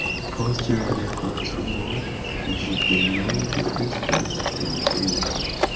Post la rekonstruo ĝi denove estas en uzo.